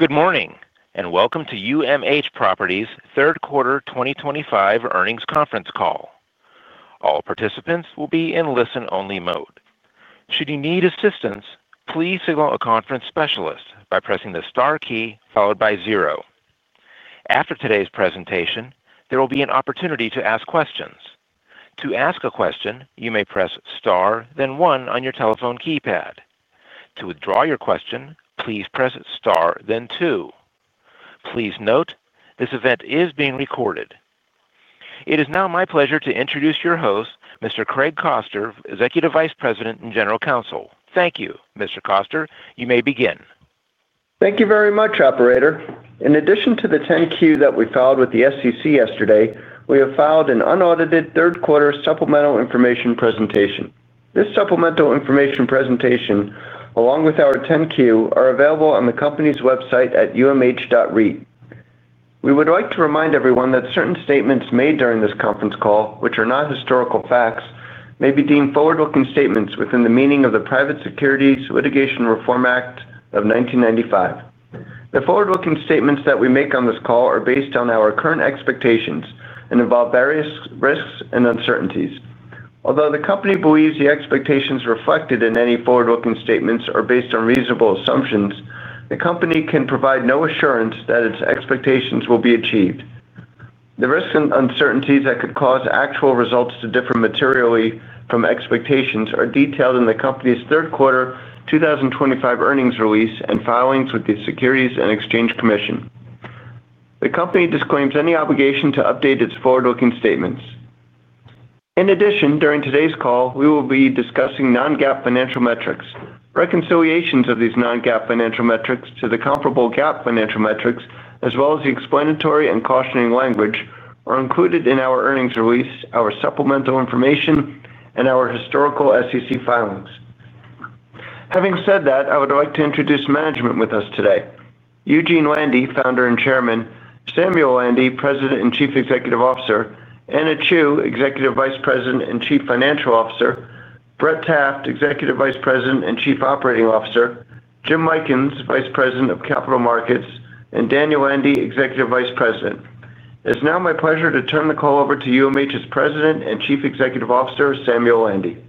Good morning and welcome to UMH Properties' Third Quarter 2025 Earnings Conference Call. All participants will be in listen-only mode. Should you need assistance, please signal a conference specialist by pressing the star key followed by zero. After today's presentation, there will be an opportunity to ask questions. To ask a question, you may press star, then one on your telephone keypad. To withdraw your question, please press star, then two. Please note this event is being recorded. It is now my pleasure to introduce your host, Mr. Craig Koster, Executive Vice President and General Counsel. Thank you, Mr. Koster. You may begin. Thank you very much, Operator. In addition to the 10-Q that we filed with the SEC yesterday, we have filed an unaudited Third Quarter Supplemental Information presentation. This Supplemental Information presentation, along with our 10-Q, is available on the Company's website at umh.reit. We would like to remind everyone that certain statements made during this conference call, which are not historical facts, may be deemed forward-looking statements within the meaning of the Private Securities Litigation Reform Act of 1995. The forward-looking statements that we make on this call are based on our current expectations and involve various risks and uncertainties. Although the company believes the expectations reflected in any forward-looking statements are based on reasonable assumptions, the company can provide no assurance that its expectations will be achieved. The risks and uncertainties that could cause actual results to differ materially from expectations are detailed in the Company's Third Quarter 2025 Earnings Release and filings with the Securities and Exchange Commission. The company disclaims any obligation to update its forward-looking statements. In addition, during today's call, we will be discussing non-GAAP financial metrics. Reconciliations of these non-GAAP financial metrics to the comparable GAAP financial metrics, as well as the explanatory and cautioning language, are included in our Earnings Release, our Supplemental Information, and our historical SEC filings. Having said that, I would like to introduce management with us today: Eugene Landy, Founder and Chairman, Samuel Landy, President and Chief Executive Officer, Anna Chew, Executive Vice President and Chief Financial Officer, Brett Taft, Executive Vice President and Chief Operating Officer, Jim Lykins, Vice President of Capital Markets, and Daniel Landy, Executive Vice President. It is now my pleasure to turn the call over to UMH's President and Chief Executive Officer, Samuel Landy.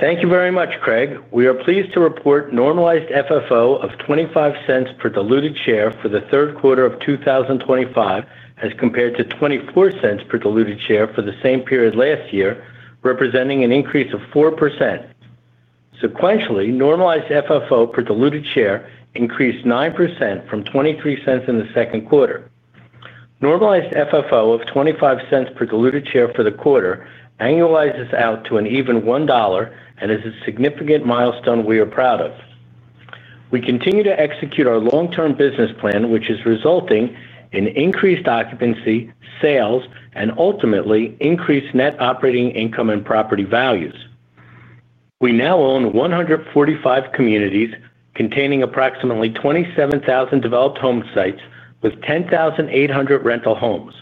Thank you very much, Craig. We are pleased to report Normalized FFO of $0.25 per diluted share for the Third Quarter of 2025 as compared to $0.24 per diluted share for the same period last year, representing an increase of 4%. Sequentially, Normalized FFO per diluted share increased 9% from $0.23 in the Second Quarter. Normalized FFO of $0.25 per diluted share for the quarter annualizes out to an even $1 and is a significant milestone we are proud of. We continue to execute our long-term business plan, which is resulting in increased occupancy, sales, and ultimately increased net operating income and property values. We now own 145 communities containing approximately 27,000 developed home sites with 10,800 rental homes.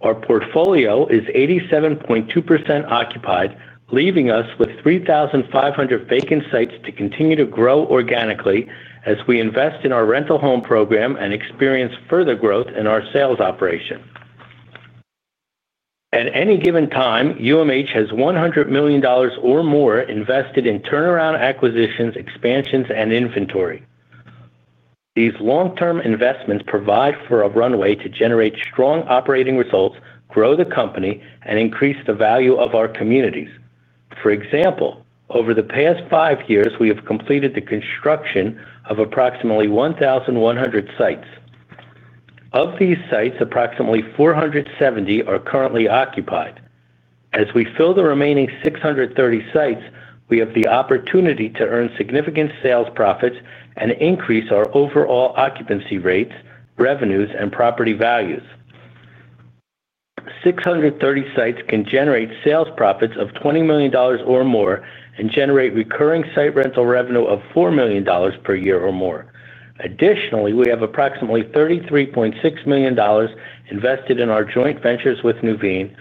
Our portfolio is 87.2% occupied, leaving us with 3,500 vacant sites to continue to grow organically as we invest in our rental home program and experience further growth in our Sales Operation. At any given time, UMH has $100 million or more invested in turnaround acquisitions, expansions, and inventory. These long-term investments provide for a runway to generate strong operating results, grow the company, and increase the value of our communities. For example, over the past five years, we have completed the construction of approximately 1,100 sites. Of these sites, approximately 470 are currently occupied. As we fill the remaining 630 sites, we have the opportunity to earn significant sales profits and increase our overall occupancy rates, revenues, and property values. 630 sites can generate sales profits of $20 million or more and generate recurring site rental revenue of $4 million per year or more. Additionally, we have approximately $33.6 million invested in our Joint Ventures with Nuveen,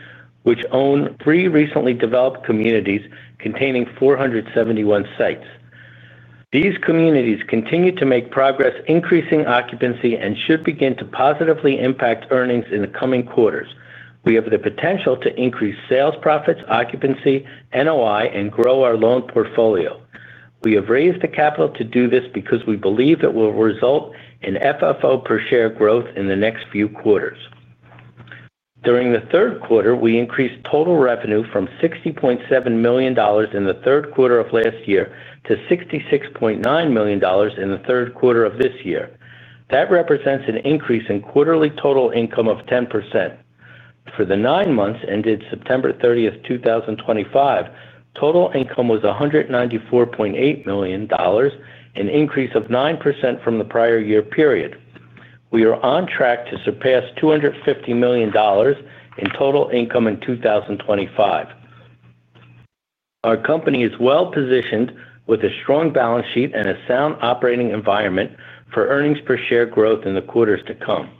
which own three recently developed communities containing 471 sites. These communities continue to make progress, increasing occupancy, and should begin to positively impact earnings in the coming quarters. We have the potential to increase sales profits, occupancy, NOI, and grow our loan portfolio. We have raised the capital to do this because we believe it will result in FFO per share growth in the next few quarters. During the Third Quarter, we increased total revenue from $60.7 million in the Third Quarter of last year to $66.9 million in the Third Quarter of this year. That represents an increase in quarterly total income of 10%. For the nine months ended September 30, 2025, total income was $194.8 million, an increase of 9% from the prior year period. We are on track to surpass $250 million in total income in 2025. Our company is well positioned with a strong balance sheet and a sound operating environment for earnings per share growth in the quarters to come.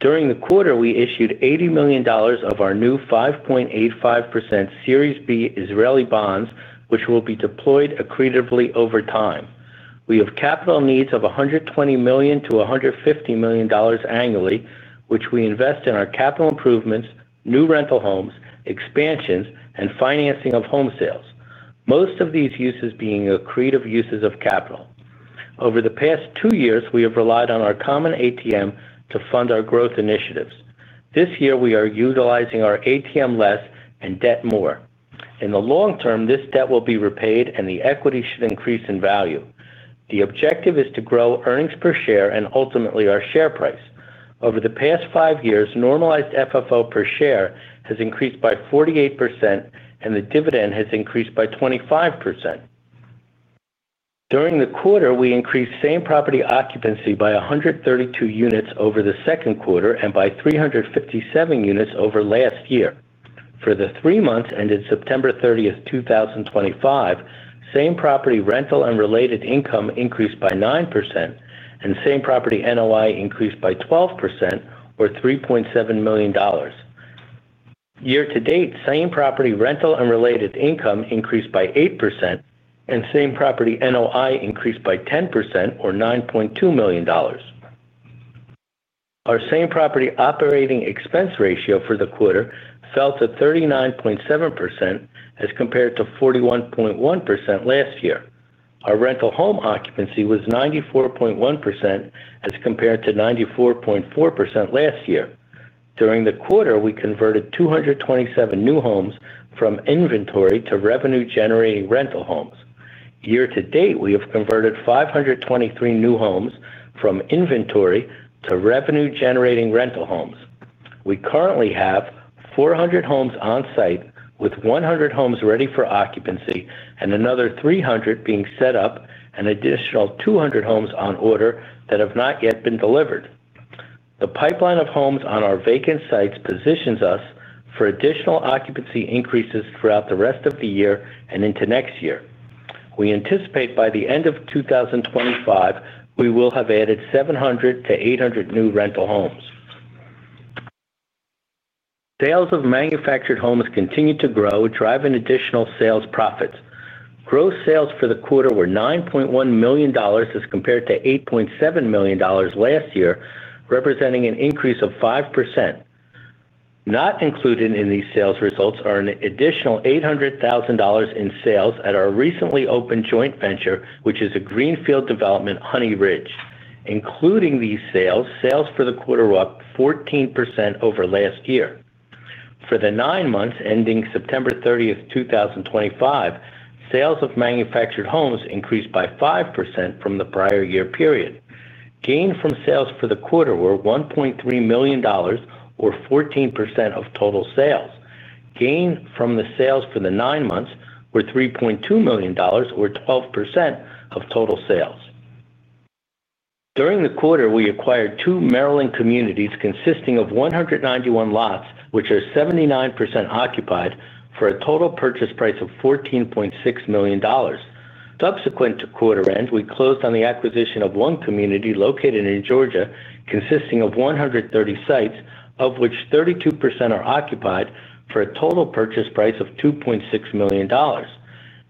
During the quarter, we issued $80 million of our new 5.85% Series B Israeli Bonds, which will be deployed accretively over time. We have capital needs of $120 million-$150 million annually, which we invest in our capital improvements, new rental homes, expansions, and financing of home sales, most of these uses being accretive uses of capital. Over the past two years, we have relied on our common ATM to fund our growth initiatives. This year, we are utilizing our ATM less and debt more. In the long term, this debt will be repaid, and the equity should increase in value. The objective is to grow earnings per share and ultimately our share price. Over the past five years, Normalized FFO per share has increased by 48%, and the dividend has increased by 25%. During the quarter, we increased same property occupancy by 132 units over the Second Quarter and by 357 units over last year. For the three months ended September 30, 2025, same property rental and related income increased by 9%, and same property NOI increased by 12%, or $3.7 million. Year to date, same property rental and related income increased by 8%, and same property NOI increased by 10%, or $9.2 million. Our same property operating expense ratio for the quarter fell to 39.7% as compared to 41.1% last year. Our rental home occupancy was 94.1% as compared to 94.4% last year. During the quarter, we converted 227 new homes from inventory to Revenue-Generating Rental Homes. Year to date, we have converted 523 new homes from inventory to Revenue-Generating Rental Homes. We currently have 400 homes on site with 100 homes ready for occupancy and another 300 being set up, and additional 200 homes on order that have not yet been delivered. The pipeline of homes on our vacant sites positions us for additional occupancy increases throughout the rest of the year and into next year. We anticipate by the end of 2025, we will have added 700-800 new rental homes. Sales of Manufactured Homes continue to grow, driving additional sales profits. Gross sales for the quarter were $9.1 million as compared to $8.7 million last year, representing an increase of 5%. Not included in these sales results are an additional $800,000 in sales at our recently opened joint venture, which is a greenfield development Honey Ridge. Including these sales, sales for the quarter were up 14% over last year. For the nine months ending September 30, 2025, sales of Manufactured Homes increased by 5% from the prior year period. Gain from sales for the quarter was $1.3 million, or 14% of total sales. Gain from the sales for the nine months was $3.2 million, or 12% of total sales. During the quarter, we acquired two Maryland communities consisting of 191 lots, which are 79% occupied, for a total purchase price of $14.6 million. Subsequent to quarter end, we closed on the acquisition of one community located in Georgia consisting of 130 sites, of which 32% are occupied, for a total purchase price of $2.6 million.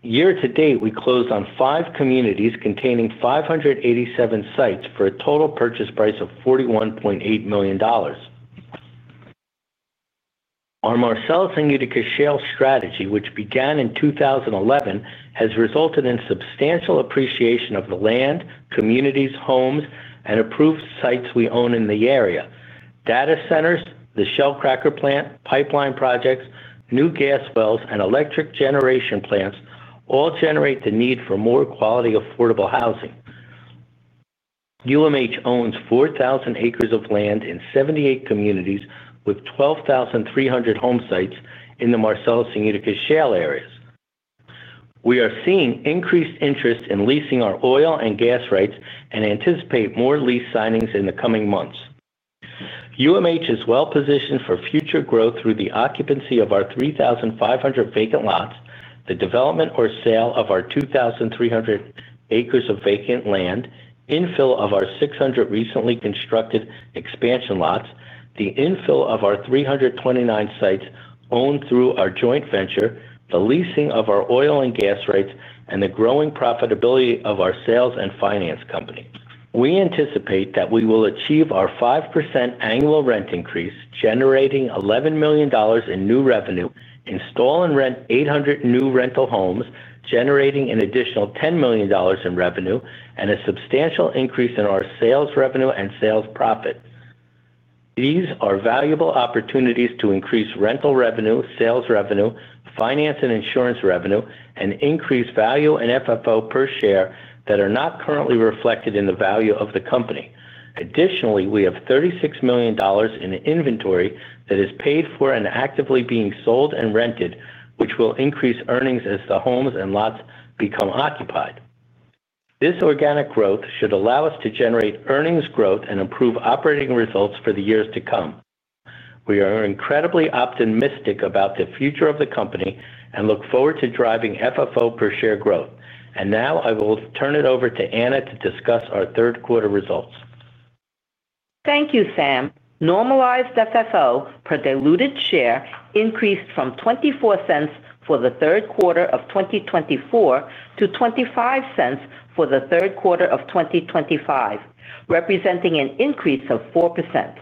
Year to date, we closed on five communities containing 587 sites for a total purchase price of $41.8 million. Our Marcellus and Utica Shale strategy, which began in 2011, has resulted in substantial appreciation of the land, communities, homes, and approved sites we own in the area. Data centers, the Shellcracker plant, pipeline projects, new gas wells, and electric generation plants all generate the need for more quality affordable housing. UMH owns 4,000 acres of land in 78 communities with 12,300 home sites in the Marcellus and Utica Shale areas. We are seeing increased interest in leasing our oil and gas rights and anticipate more lease signings in the coming months. UMH is well positioned for future growth through the occupancy of our 3,500 vacant lots, the development or sale of our 2,300 acres of vacant land, infill of our 600 recently constructed expansion lots, the infill of our 329 sites owned through our joint venture, the leasing of our oil and gas rights, and the growing profitability of our Sales and Finance Company. We anticipate that we will achieve our 5% annual rent increase, generating $11 million in new revenue, install and rent 800 new rental homes, generating an additional $10 million in revenue, and a substantial increase in our sales revenue and sales profit. These are valuable opportunities to increase rental revenue, sales revenue, finance and insurance revenue, and increase value and FFO per share that are not currently reflected in the value of the company. Additionally, we have $36 million in inventory that is paid for and actively being sold and rented, which will increase earnings as the homes and lots become occupied. This organic growth should allow us to generate earnings growth and improve operating results for the years to come. We are incredibly optimistic about the future of the company and look forward to driving FFO per share growth, and now I will turn it over to Anna to discuss our Third Quarter results. Thank you, Sam. Normalized FFO per diluted share increased from $0.24 for the Third Quarter of 2024 to $0.25 for the Third Quarter of 2025, representing an increase of 4%.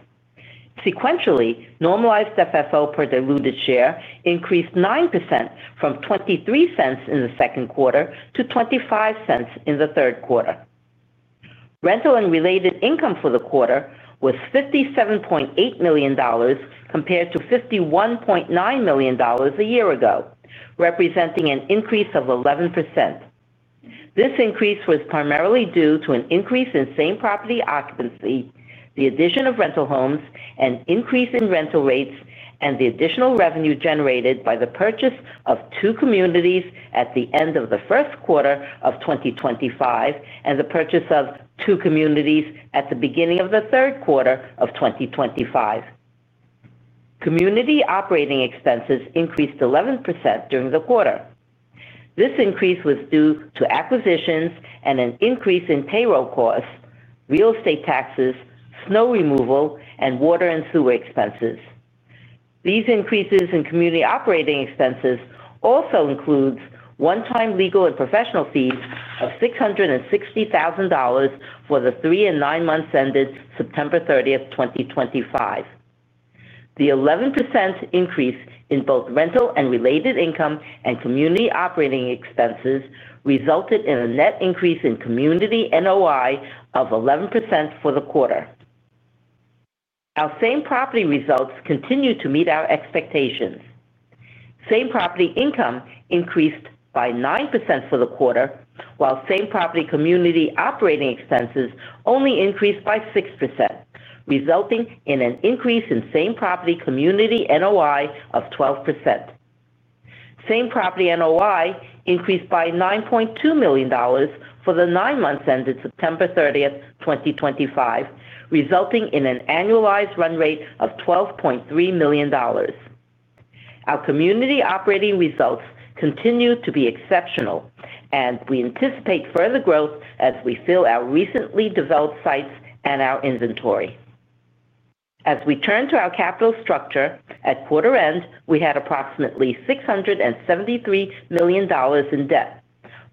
Sequentially, Normalized FFO per diluted share increased 9% from $0.23 in the Second Quarter to $0.25 in the Third Quarter. Rental and related income for the quarter was $57.8 million compared to $51.9 million a year ago, representing an increase of 11%. This increase was primarily due to an increase in same property occupancy, the addition of rental homes, an increase in rental rates, and the additional revenue generated by the purchase of two communities at the end of the First Quarter of 2025 and the purchase of two communities at the beginning of the Third Quarter of 2025. Community operating expenses increased 11% during the quarter. This increase was due to acquisitions and an increase in payroll costs, real estate taxes, snow removal, and water and sewer expenses. These increases in community operating expenses also include one-time legal and professional fees of $660,000 for the three and nine months ended September 30, 2025. The 11% increase in both rental and related income and community operating expenses resulted in a net increase in community NOI of 11% for the quarter. Our same property results continue to meet our expectations. Same property income increased by 9% for the quarter, while same property community operating expenses only increased by 6%, resulting in an increase in same property community NOI of 12%. Same property NOI increased by $9.2 million for the nine months ended September 30, 2025, resulting in an annualized run rate of $12.3 million. Our community operating results continue to be exceptional, and we anticipate further growth as we fill our recently developed sites and our inventory. As we turn to our capital structure, at quarter end, we had approximately $673 million in debt,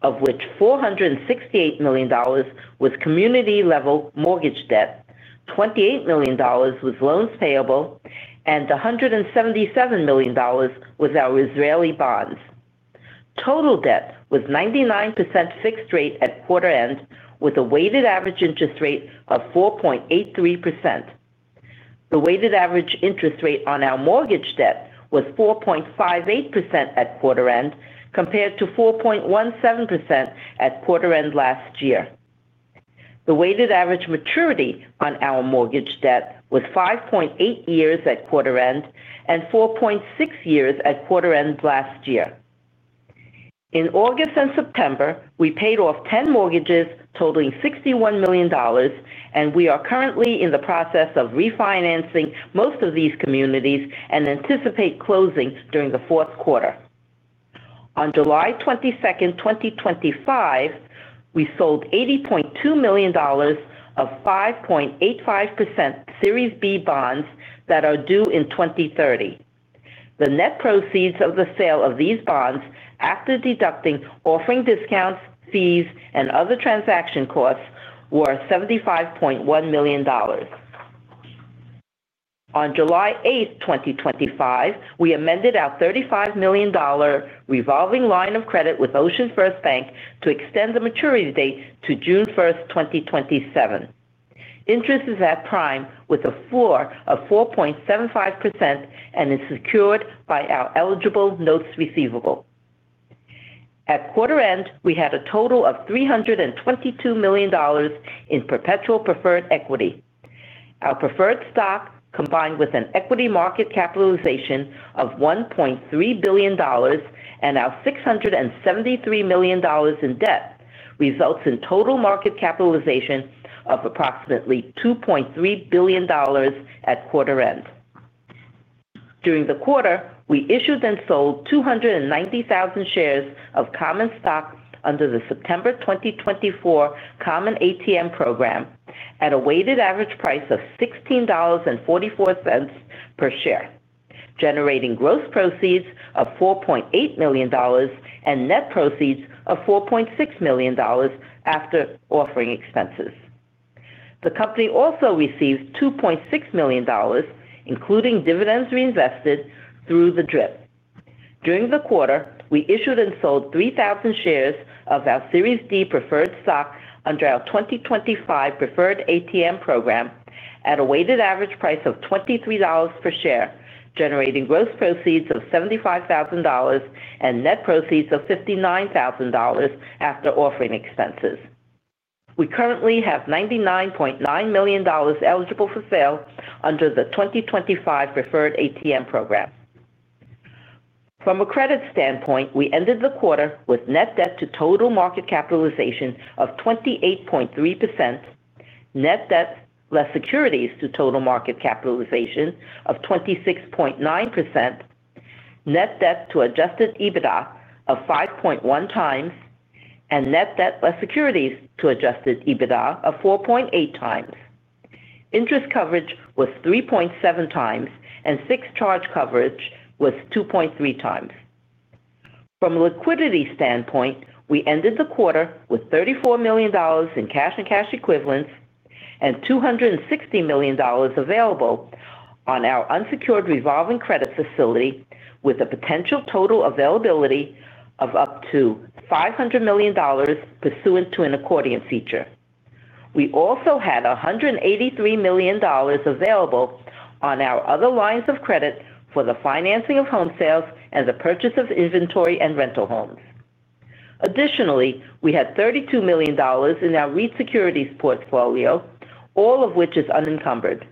of which $468 million was community-level mortgage debt, $28 million was loans payable, and $177 million was our Israeli Bonds. Total debt was 99% fixed rate at quarter end, with a weighted average interest rate of 4.83%. The weighted average interest rate on our mortgage debt was 4.58% at quarter end, compared to 4.17% at quarter end last year. The weighted average maturity on our mortgage debt was 5.8 years at quarter end and 4.6 years at quarter end last year. In August and September, we paid off 10 mortgages totaling $61 million, and we are currently in the process of refinancing most of these communities and anticipate closing during the Fourth Quarter. On July 22, 2025, we sold $80.2 million of 5.85% Series B bonds that are due in 2030. The net proceeds of the sale of these bonds, after deducting offering discounts, fees, and other transaction costs, were $75.1 million. On July 8, 2025, we amended our $35 million revolving line of credit with OceanFirst Bank to extend the maturity date to June 1, 2027. Interest is at prime with a floor of 4.75% and is secured by our eligible notes receivable. At quarter end, we had a total of $322 million in perpetual preferred equity. Our preferred stock, combined with an equity market capitalization of $1.3 billion and our $673 million in debt, results in total market capitalization of approximately $2.3 billion at quarter end. During the quarter, we issued and sold 290,000 shares of common stock under the September 2024 common ATM program at a weighted average price of $16.44 per share, generating gross proceeds of $4.8 million and net proceeds of $4.6 million after offering expenses. The company also received $2.6 million, including dividends reinvested through the DRIP. During the quarter, we issued and sold 3,000 shares of our Series D preferred stock under our 2025 preferred ATM program at a weighted average price of $23 per share, generating gross proceeds of $75,000 and net proceeds of $59,000 after offering expenses. We currently have $99.9 million eligible for sale under the 2025 preferred ATM program. From a credit standpoint, we ended the quarter with net debt to total market capitalization of 28.3%. Net debt less securities to total market capitalization of 26.9%. Net debt to adjusted EBITDA of 5.1x, and net debt less securities to adjusted EBITDA of 4.8x. Interest coverage was 3.7x, and fixed charge coverage was 2.3x. From a liquidity standpoint, we ended the quarter with $34 million in cash and cash equivalents and $260 million available on our unsecured revolving credit facility, with a potential total availability of up to $500 million pursuant to an accordion feature. We also had $183 million available on our other lines of credit for the financing of home sales and the purchase of inventory and rental homes. Additionally, we had $32 million in our REIT Securities Portfolio, all of which is unencumbered.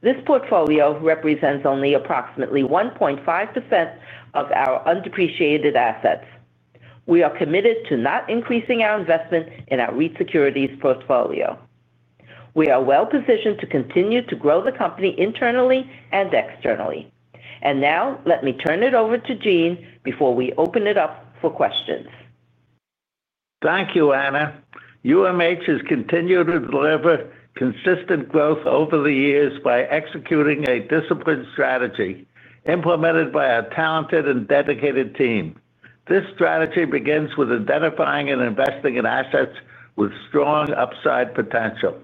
This portfolio represents only approximately 1.5% of our undepreciated assets. We are committed to not increasing our investment in our REIT Securities Portfolio. We are well positioned to continue to grow the company internally and externally. And now, let me turn it over to Eugene before we open it up for questions. Thank you, Anna. UMH has continued to deliver consistent growth over the years by executing a disciplined strategy implemented by a talented and dedicated team. This strategy begins with identifying and investing in assets with strong upside potential.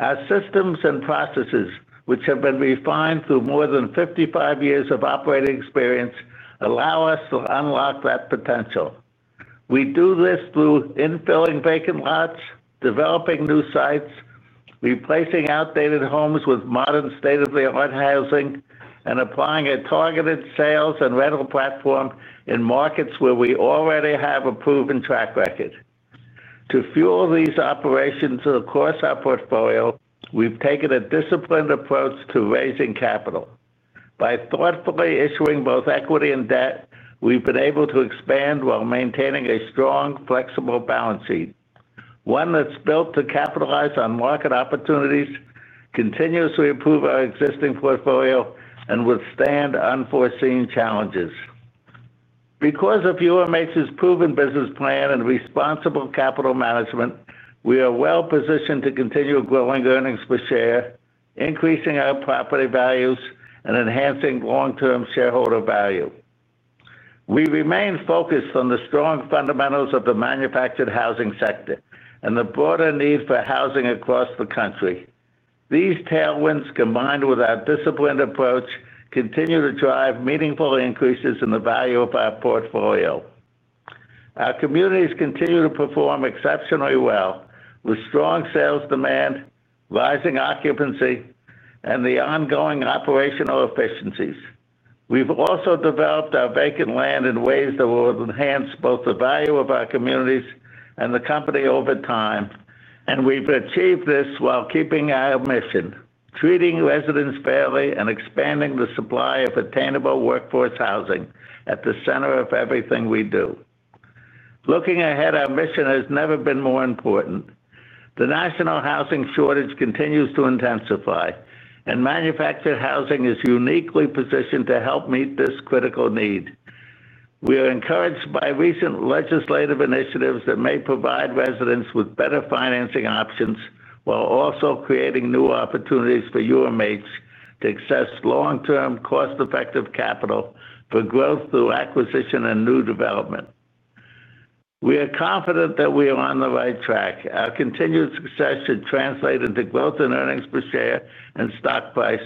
Our systems and processes, which have been refined through more than 55 years of operating experience, allow us to unlock that potential. We do this through infilling vacant lots, developing new sites, replacing outdated homes with modern state-of-the-art housing, and applying a targeted sales and rental platform in markets where we already have a proven track record. To fuel these operations to the core of our portfolio, we've taken a disciplined approach to raising capital. By thoughtfully issuing both equity and debt, we've been able to expand while maintaining a strong, flexible balance sheet, one that's built to capitalize on market opportunities, continuously improve our existing portfolio, and withstand unforeseen challenges. Because of UMH's proven business plan and responsible capital management, we are well positioned to continue growing earnings per share, increasing our property values, and enhancing long-term shareholder value. We remain focused on the strong fundamentals of the manufactured housing sector and the broader need for housing across the country. These tailwinds, combined with our disciplined approach, continue to drive meaningful increases in the value of our portfolio. Our communities continue to perform exceptionally well, with strong sales demand, rising occupancy, and the ongoing operational efficiencies. We've also developed our vacant land in ways that will enhance both the value of our communities and the company over time, and we've achieved this while keeping our mission: treating residents fairly and expanding the supply of attainable workforce housing at the center of everything we do. Looking ahead, our mission has never been more important. The national housing shortage continues to intensify, and manufactured housing is uniquely positioned to help meet this critical need. We are encouraged by recent legislative initiatives that may provide residents with better financing options while also creating new opportunities for UMH to access long-term, cost-effective capital for growth through acquisition and new development. We are confident that we are on the right track. Our continued success should translate into growth in earnings per share and stock price,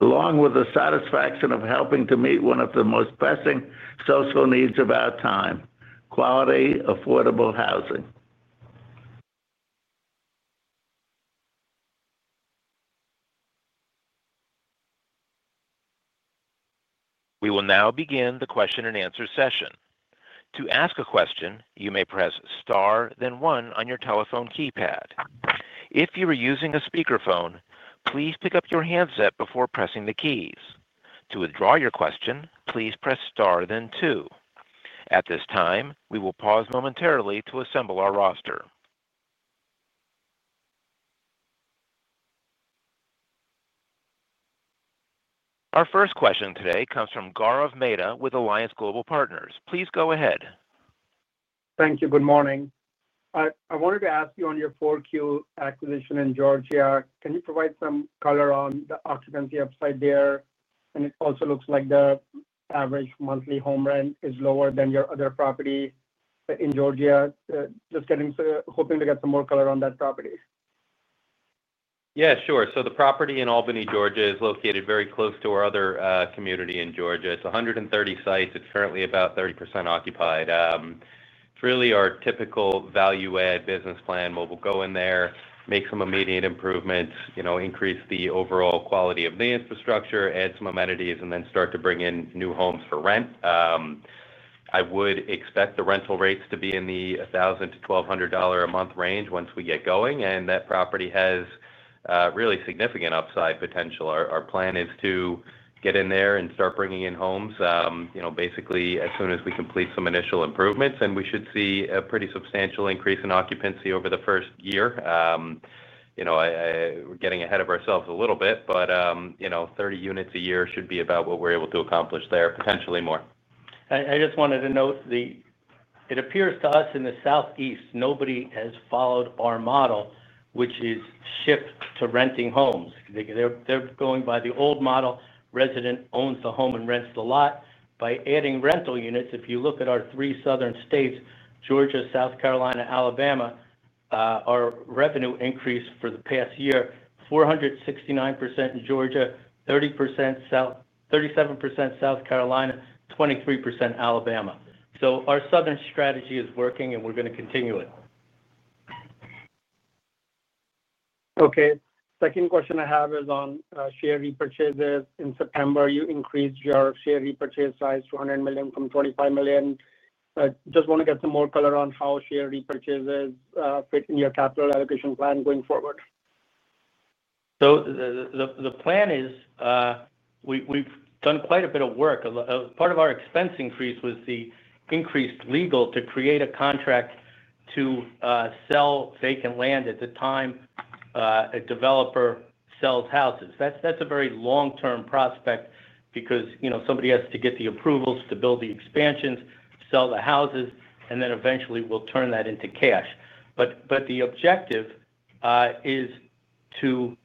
along with the satisfaction of helping to meet one of the most pressing social needs of our time: quality, affordable housing. We will now begin the question and answer session. To ask a question, you may press Star, then one on your telephone keypad. If you are using a speakerphone, please pick up your handset before pressing the keys. To withdraw your question, please press Star, then two. At this time, we will pause momentarily to assemble our roster. Our first question today comes from Gaurav Mehta with Alliance Global Partners. Please go ahead. Thank you. Good morning. I wanted to ask you on your 4Q acquisition in Georgia. Can you provide some color on the occupancy upside there? And it also looks like the average monthly home rent is lower than your other property in Georgia. Just hoping to get some more color on that property. Yeah, sure. So the property in Albany, Georgia is located very close to our other community in Georgia. It's 130 sites. It's currently about 30% occupied. It's really our typical value-add business plan. We'll go in there, make some immediate improvements, increase the overall quality of the infrastructure, add some amenities, and then start to bring in new homes for rent. I would expect the rental rates to be in the $1,000-$1,200 a month range once we get going, and that property has really significant upside potential. Our plan is to get in there and start bringing in homes basically as soon as we complete some initial improvements, and we should see a pretty substantial increase in occupancy over the first year. We're getting ahead of ourselves a little bit, but 30 units a year should be about what we're able to accomplish there, potentially more. I just wanted to note that it appears to us in the southeast, nobody has followed our model, which is shift to renting homes. They're going by the old model, resident owns the home and rents the lot. By adding rental units, if you look at our three southern states, Georgia, South Carolina, Alabama. Our revenue increased for the past year: 469% in Georgia, 37% South Carolina, 23% Alabama. So our southern strategy is working, and we're going to continue it. Okay. Second question I have is on share repurchases. In September, you increased your share repurchase size to $100 million from $25 million. Just want to get some more color on how share repurchases fit in your capital allocation plan going forward. So the plan is. We've done quite a bit of work. Part of our expense increase was the increased legal to create a contract to sell vacant land at the time. A developer sells houses. That's a very long-term prospect because somebody has to get the approvals to build the expansions, sell the houses, and then eventually we'll turn that into cash. But the objective is to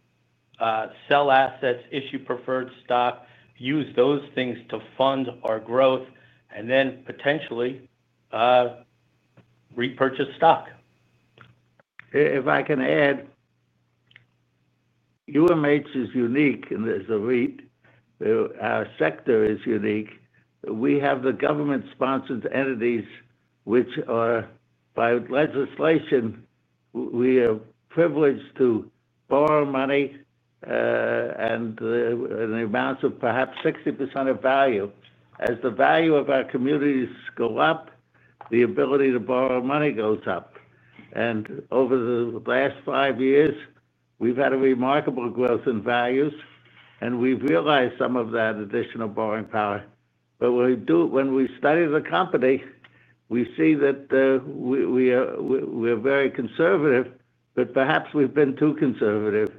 sell assets, issue preferred stock, use those things to fund our growth, and then potentially repurchase stock. If I can add, UMH is unique in this arena. Our sector is unique. We have the government-sponsored entities, which are, by legislation, privileged to borrow money in the amount of perhaps 60% of value. As the value of our communities goes up, the ability to borrow money goes up, and over the last five years, we've had a remarkable growth in values, and we've realized some of that additional borrowing power. But when we study the company, we see that we are very conservative, but perhaps we've been too conservative,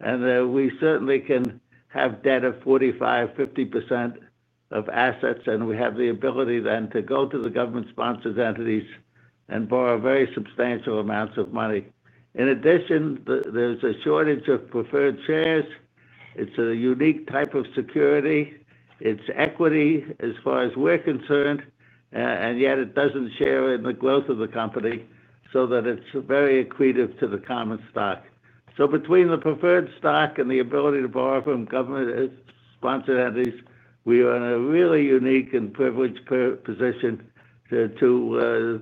and we certainly can have debt of 45%-50% of assets, and we have the ability then to go to the government-sponsored entities and borrow very substantial amounts of money. In addition, there's a shortage of preferred shares. It's a unique type of security. It's equity as far as we're concerned, and yet it doesn't share in the growth of the company so that it's very equated to the common stock. So between the preferred stock and the ability to borrow from government-sponsored entities, we are in a really unique and privileged position to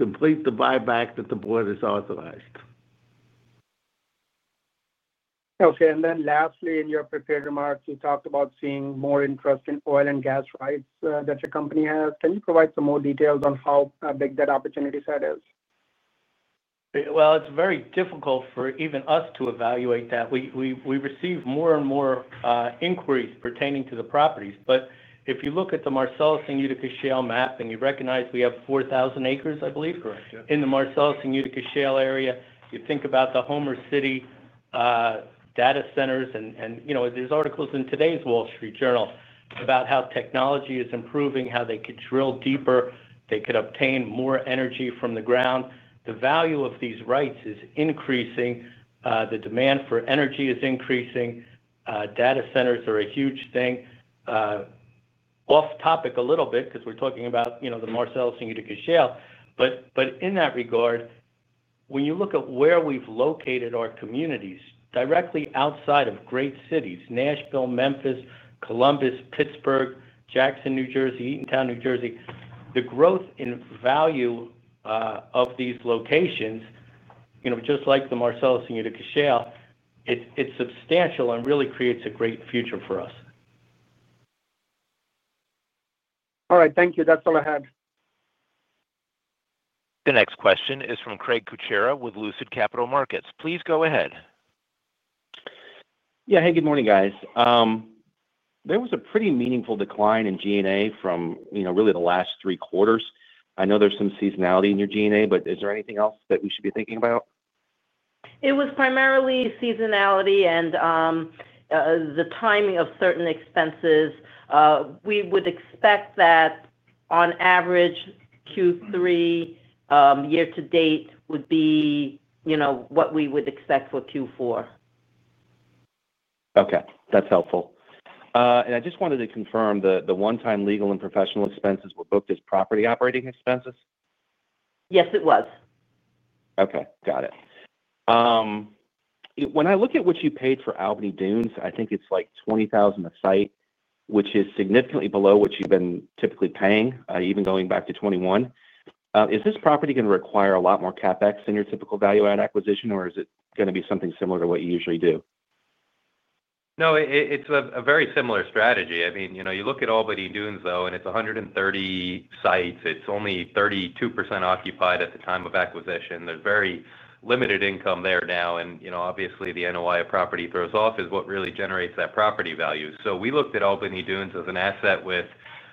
complete the buyback that the board has authorized. Okay. And then lastly, in your prepared remarks, you talked about seeing more interest in oil and gas rights that your company has. Can you provide some more details on how big that opportunity set is? It's very difficult for even us to evaluate that. We receive more and more inquiries pertaining to the properties. But if you look at the Marcellus and Utica Shale map, and you recognize we have 4,000 acres, I believe, in the Marcellus and Utica Shale area, you think about the Homer City data centers, and there's articles in today's Wall Street Journal about how technology is improving, how they could drill deeper, they could obtain more energy from the ground. The value of these rights is increasing. The demand for energy is increasing. Data centers are a huge thing. Off topic a little bit because we're talking about the Marcellus and Utica Shale, but in that regard, when you look at where we've located our communities directly outside of great cities, Nashville, Memphis, Columbus, Pittsburgh, Jackson, New Jersey, Eatontown, New Jersey, the growth in value of these locations, just like the Marcellus and Utica Shale, it's substantial and really creates a great future for us. All right. Thank you. That's all I had. The next question is from Craig Kucera with Lucid Capital Markets. Please go ahead. Yeah. Hey, good morning, guys. There was a pretty meaningful decline in G&A from really the last three quarters. I know there's some seasonality in your G&A, but is there anything else that we should be thinking about? It was primarily seasonality and the timing of certain expenses. We would expect that, on average, Q3 year-to-date would be what we would expect for Q4. Okay. That's helpful, and I just wanted to confirm the one-time legal and professional expenses were booked as property operating expenses? Yes, it was. Okay. Got it. When I look at what you paid for Albany Dunes, I think it's like $20,000 a site, which is significantly below what you've been typically paying, even going back to 2021. Is this property going to require a lot more CapEx than your typical value-add acquisition, or is it going to be something similar to what you usually do? No, it's a very similar strategy. I mean, you look at Albany Dunes, though, and it's 130 sites. It's only 32% occupied at the time of acquisition. There's very limited income there now, and obviously, the NOI the property throws off is what really generates that property value, so we looked at Albany Dunes as an asset with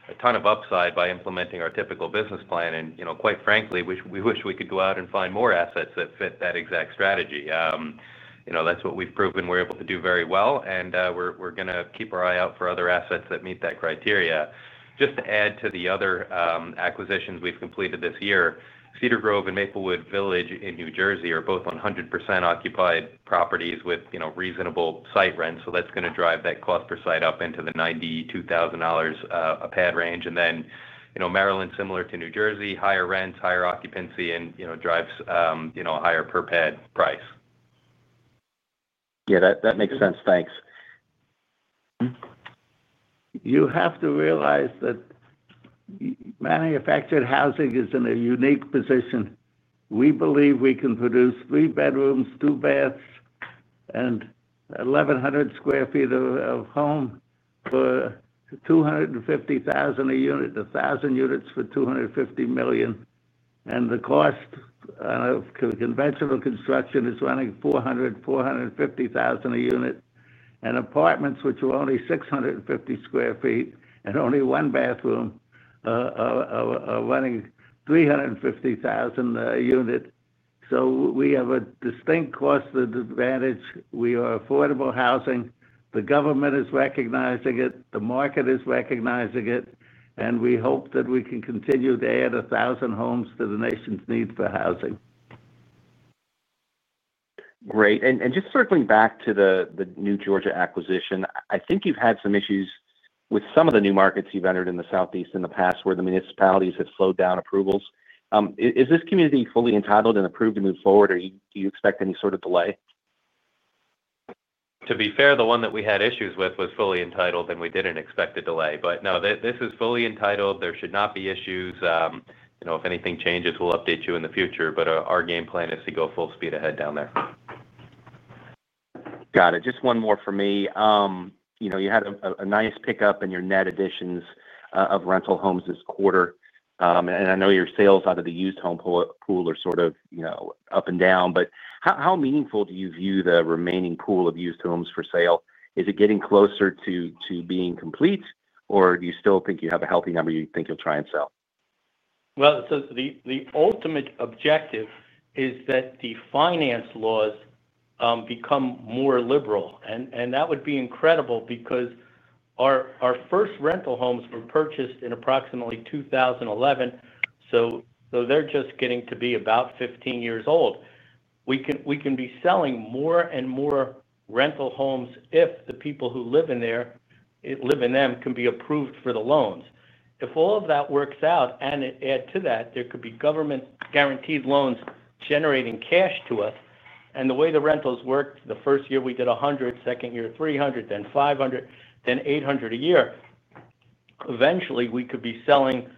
a ton of upside by implementing our typical business plan, and quite frankly, we wish we could go out and find more assets that fit that exact strategy. That's what we've proven we're able to do very well, and we're going to keep our eye out for other assets that meet that criteria. Just to add to the other acquisitions we've completed this year, Cedar Grove and Maplewood Village in New Jersey are both 100% occupied properties with reasonable site rent, so that's going to drive that cost per site up into the $92,000 per pad range, and then Maryland, similar to New Jersey, higher rents, higher occupancy, and drives a higher per pad price. Yeah, that makes sense. Thanks. You have to realize that. Manufactured housing is in a unique position. We believe we can produce three bedrooms, two baths, and 1,100 sq ft of home for $250,000 a unit, 1,000 units for $250 million. And the cost of conventional construction is running $400,000-$450,000 a unit. And apartments, which are only 650 sq ft and only one bathroom, are running $350,000 a unit. So we have a distinct cost advantage. We are affordable housing. The government is recognizing it. The market is recognizing it. And we hope that we can continue to add 1,000 homes to the nation's need for housing. Great. And just circling back to the new Georgia acquisition, I think you've had some issues with some of the new markets you've entered in the southeast in the past where the municipalities have slowed down approvals. Is this community fully entitled and approved to move forward, or do you expect any sort of delay? To be fair, the one that we had issues with was fully entitled, and we didn't expect a delay. But no, this is fully entitled. There should not be issues. If anything changes, we'll update you in the future. But our game plan is to go full speed ahead down there. Got it. Just one more for me. You had a nice pickup in your net additions of rental homes this quarter. And I know your sales out of the used home pool are sort of up and down, but how meaningful do you view the remaining pool of used homes for sale? Is it getting closer to being complete, or do you still think you have a healthy number you think you'll try and sell? Well, so the ultimate objective is that the finance laws become more liberal. And that would be incredible because our first rental homes were purchased in approximately 2011, so they're just getting to be about 15 years old. We can be selling more and more rental homes if the people who live in there, live in them, can be approved for the loans. If all of that works out, and add to that, there could be government-guaranteed loans generating cash to us. And the way the rentals worked, the first year we did 100, second year 300, then 500, then 800 a year. Eventually, we could be selling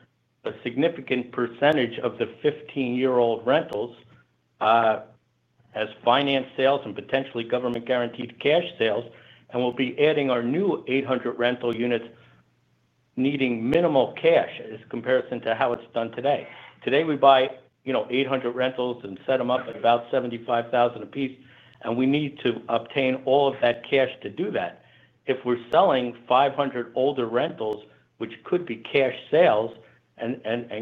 a significant percentage of the 15-year-old rentals as finance sales and potentially government-guaranteed cash sales, and we'll be adding our new 800 rental units needing minimal cash as comparison to how it's done today. Today, we buy 800 rentals and set them up at about $75,000 a piece, and we need to obtain all of that cash to do that. If we're selling 500 older rentals, which could be cash sales, and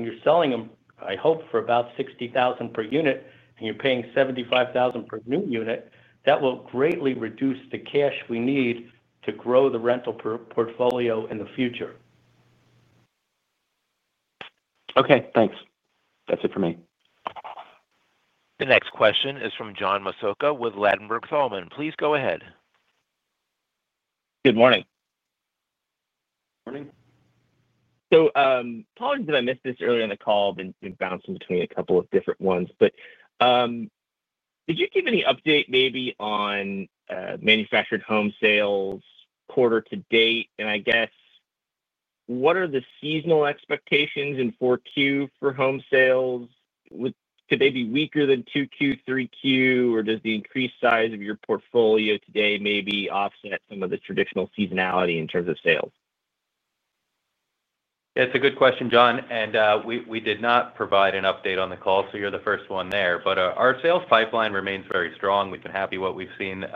you're selling them, I hope, for about $60,000 per unit, and you're paying $75,000 per new unit, that will greatly reduce the cash we need to grow the rental portfolio in the future. Okay. Thanks. That's it for me. The next question is from John Massocca with Ladenburg Thalmann. Please go ahead. Good morning. Morning. So apologies if I missed this earlier in the call. I've been bouncing between a couple of different ones. But could you give any update maybe on manufactured home sales quarter to date? And I guess what are the seasonal expectations in 4Q for home sales? Could they be weaker than 2Q, 3Q, or does the increased size of your portfolio today maybe offset some of the traditional seasonality in terms of sales? Yeah, it's a good question, John. And we did not provide an update on the call, so you're the first one there. But our sales pipeline remains very strong. We've been happy with what we've seen in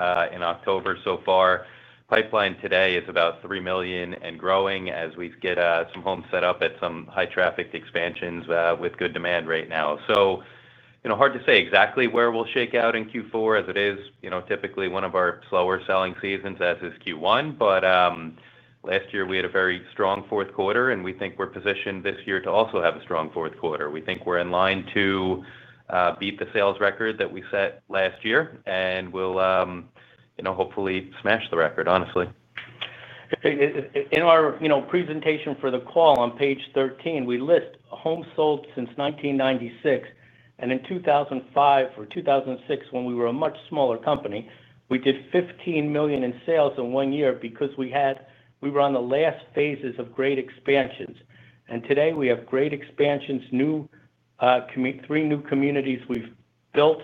October so far. Pipeline today is about $3 million and growing as we get some homes set up at some high-traffic expansions with good demand right now. So. Hard to say exactly where we'll shake out in Q4 as it is typically one of our slower selling seasons, as is Q1. But. Last year, we had a very strong Fourth Quarter, and we think we're positioned this year to also have a strong Fourth Quarter. We think we're in line to. Beat the sales record that we set last year, and we'll. Hopefully smash the record, honestly. In our presentation for the call on page 13, we list homes sold since 1996. And in 2005 or 2006, when we were a much smaller company, we did $15 million in sales in one year because we were on the last phases of great expansions. And today, we have great expansions, three. New communities we've built.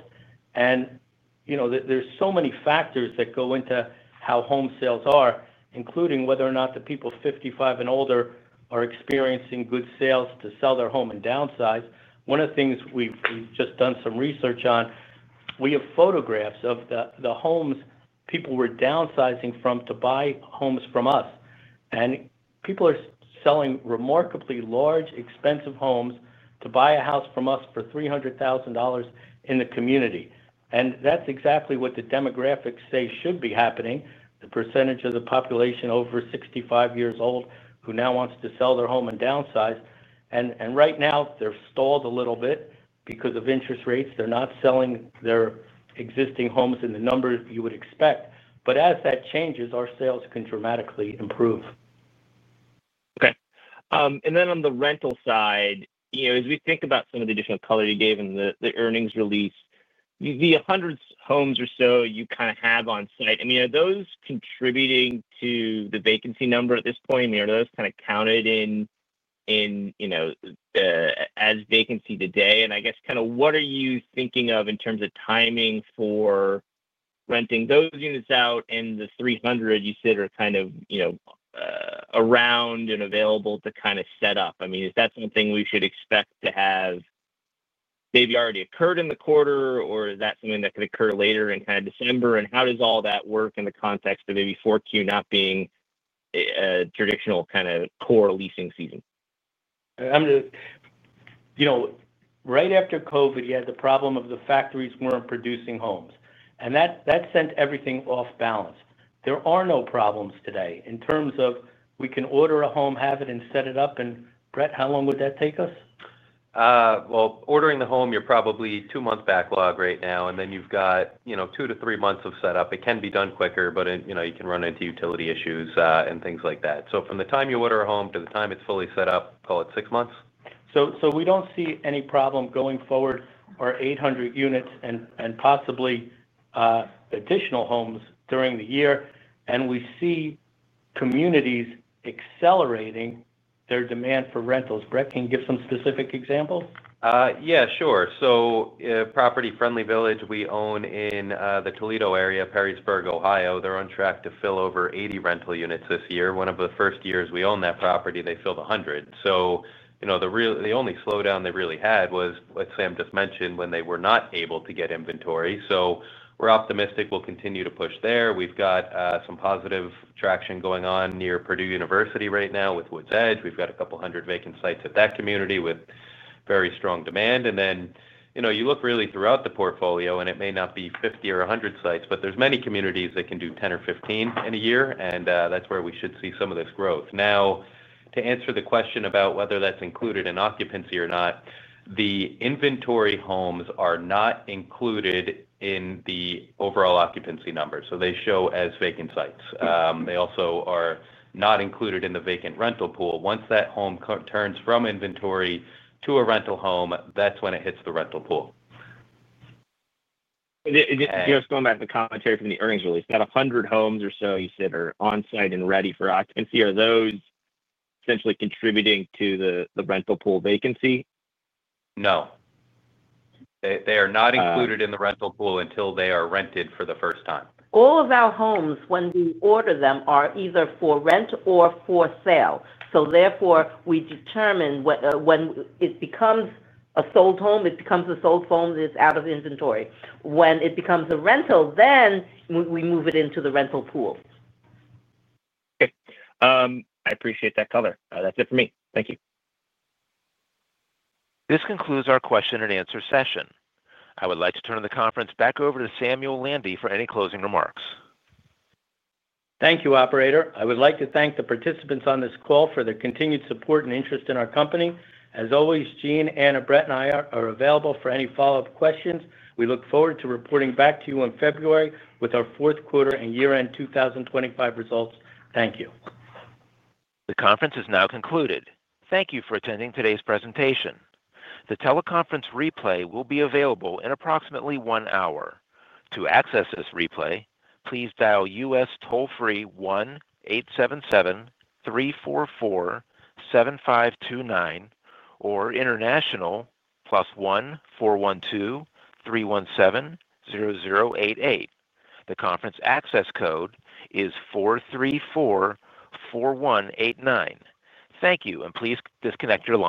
There's so many factors that go into how home sales are, including whether or not the people 55 and older are experiencing good sales to sell their home and downsize. One of the things we've just done some research on, we have photographs of the homes people were downsizing from to buy homes from us. And people are selling remarkably large, expensive homes to buy a house from us for $300,000 in the community. And that's exactly what the demographics say should be happening, the percentage of the population over 65 years old who now wants to sell their home and downsize. And right now, they're stalled a little bit because of interest rates. They're not selling their existing homes in the numbers you would expect. But as that changes, our sales can dramatically improve. Okay. And then on the rental side, as we think about some of the additional color you gave in the Earnings Release, the 100 homes or so you kind of have on site, I mean, are those contributing to the vacancy number at this point? I mean, are those kind of counted in as vacancy today? And I guess kind of what are you thinking of in terms of timing for renting those units out and the 300 you said are kind of around and available to kind of set up? I mean, is that something we should expect to have maybe already occurred in the quarter, or is that something that could occur later in kind of December? And how does all that work in the context of maybe 4Q not being a traditional kind of core leasing season? Right after COVID, you had the problem of the factories weren't producing homes, and that sent everything off balance. There are no problems today in terms of we can order a home, have it, and set it up, and Brett, how long would that take us? Well, ordering the home, you're probably two months backlog right now. And then you've got two to three months of setup. It can be done quicker, but you can run into utility issues and things like that. So from the time you order a home to the time it's fully set up, call it six months. So we don't see any problem going forward or 800 units and possibly additional homes during the year. And we see communities accelerating their demand for rentals. Brett, can you give some specific examples? Yeah, sure. So Property Friendly Village, we own in the Toledo area, Perrysburg, Ohio. They're on track to fill over 80 rental units this year. One of the first years we owned that property, they filled 100. So the only slowdown they really had was, like Sam just mentioned, when they were not able to get inventory. So we're optimistic we'll continue to push there. We've got some positive traction going on near Purdue University right now with Woods Edge. We've got a couple hundred vacant sites at that community with very strong demand. And then you look really throughout the portfolio, and it may not be 50 or 100 sites, but there's many communities that can do 10 or 15 in a year. And that's where we should see some of this growth. Now, to answer the question about whether that's included in occupancy or not, the inventory homes are not included in the overall occupancy number. So they show as vacant sites. They also are not included in the vacant rental pool. Once that home turns from inventory to a rental home, that's when it hits the rental pool. Just going back to the commentary from the Earnings Release, that 100 homes or so you said are on site and ready for occupancy. Are those essentially contributing to the rental pool vacancy? No. They are not included in the rental pool until they are rented for the first time. All of our homes, when we order them, are either for rent or for sale. So therefore, we determine when it becomes a sold home, it becomes a sold home that's out of inventory. When it becomes a rental, then we move it into the rental pool. Okay. I appreciate that color. That's it for me. Thank you. This concludes our question and answer session. I would like to turn the conference back over to Samuel Landy for any closing remarks. Thank you, Operator. I would like to thank the participants on this call for their continued support and interest in our company. As always, Eugene, Anna, Brett, and I are available for any follow-up questions. We look forward to reporting back to you in February with our Fourth Quarter and year-end 2025 results. Thank you. The conference is now concluded. Thank you for attending today's presentation. The teleconference replay will be available in approximately one hour. To access this replay, please dial U.S. toll-free 1-877-344-7529 or international plus 1-412-317-0088. The conference access code is 434-4189. Thank you, and please disconnect your line.